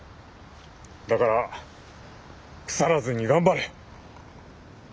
だからくさらずに頑張れ！